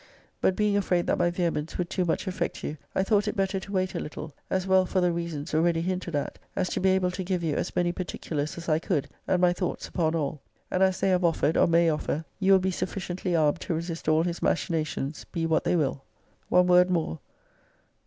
But being afraid that my vehemence would too much affect you, I thought it better to wait a little, as well for the reasons already hinted at, as to be able to give you as many par ticulars as I could, and my thoughts upon all. And as they have offered, or may offer, you will be sufficiently armed to resist all his machinations, be what they will. >>> One word more.